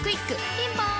ピンポーン